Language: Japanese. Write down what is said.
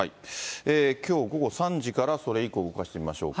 きょう午後３時からそれ以降を動かしていきましょうか。